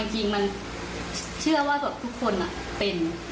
จริงมันเชื่อว่าทุกคนเป็น